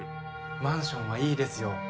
マンションはいいですよ。